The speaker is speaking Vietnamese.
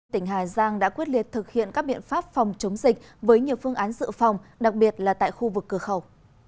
tỉnh hà giang đã quyết liệt thực hiện các biện pháp phòng chống dịch với nhiều phương án dự phòng đặc biệt là tại khu vực cửa khẩu